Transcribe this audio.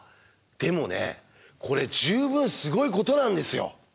でもねこれ十分すごいことなんですよ。